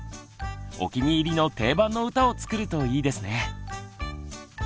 お気に入りの定番の歌をつくるといいですね。